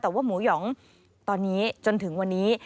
แต่ว่าหมูหยองตอนนี้จนถึงวันนี้